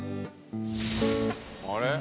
「あれ？」